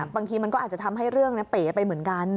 บางทีมันก็อาจจะทำให้เรื่องเป๋ไปเหมือนกัน